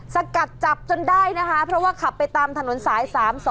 สกัดจับจนได้นะคะเพราะว่าขับไปตามถนนสาย๓๒